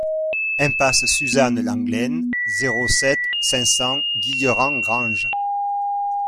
Impasse Suzanne Lenglen, zéro sept, cinq cents Guilherand-Granges